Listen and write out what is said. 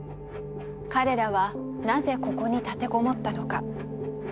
彼らはなぜここに立てこもったのか？